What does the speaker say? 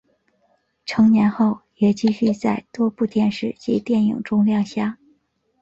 成年后也继续在多部电视及电影中亮相。